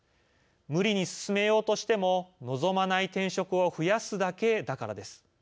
無理に進めようとしても望まない転職を増やすだけだからです。